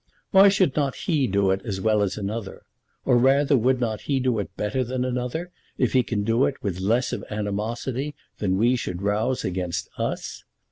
Why should not he do it as well as another? Or rather would not he do it better than another, if he can do it with less of animosity than we should rouse against us?